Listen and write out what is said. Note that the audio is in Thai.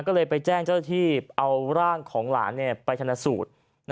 ก็เลยไปแจ้งเจ้าที่เอาร่างของหลานไปชนะสูตร